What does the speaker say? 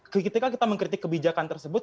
ketika kita mengkritik kebijakan tersebut